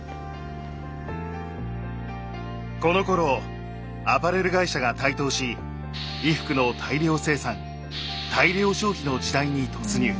このころアパレル会社が台頭し衣服の大量生産大量消費の時代に突入。